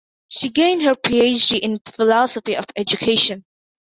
She gained her PhD in philosophy of education.